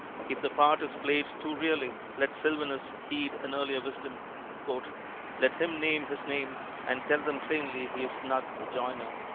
If the part is played too really, let Sylvanus heed an earlier wisdom. "Let him name his name, and tell them plainly he is Snug, the joiner."